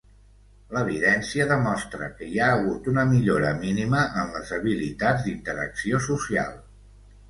L'evidència demostra que hi ha hagut una millora mínima en les habilitats d'interacció social.